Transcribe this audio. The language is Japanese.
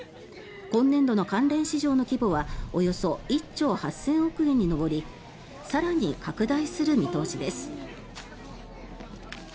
今年度の関連市場の規模はおよそ１兆８０００億円に上り更に拡大する見通しです。